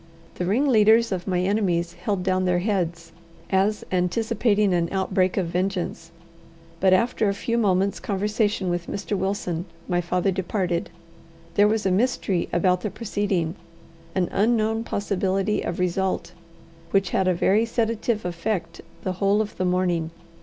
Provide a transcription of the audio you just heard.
The ringleaders of my enemies held down their heads, as anticipating an outbreak of vengeance. But after a few moments' conversation with Mr. Wilson, my father departed. There was a mystery about the proceeding, an unknown possibility of result, which had a very sedative effect the whole of the morning.